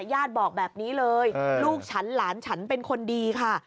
ญาติบอกแบบนี้เลยลูกฉันหลานฉันเป็นคนดีค่ะ